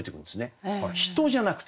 「人」じゃなくて「人間」。